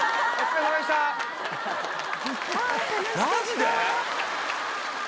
マジで？